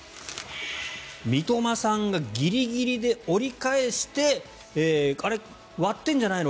三笘さんがギリギリで折り返してあれ、割ってんじゃないの？